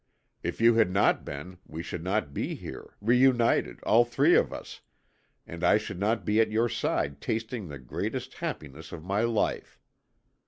If you had not been we should not be here, reunited, all three of us, and I should not be at your side tasting the greatest happiness of my life.